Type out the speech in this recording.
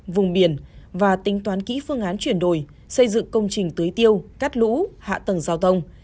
vùng biển và tính toán kỹ phương án chuyển đổi xây dựng công trình tưới tiêu cắt lũ hạ tầng giao thông